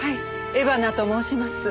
江花と申します。